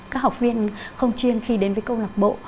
các học viên không chuyên khi đến với câu lạc bộ